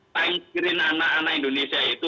time screen anak anak indonesia itu